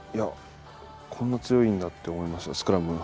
こんな強いんだって思いましたねスクラムが。